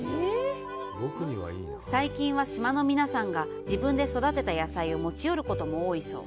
最近は島の皆さんが自分で育てた野菜を持ち寄ることも多いそう。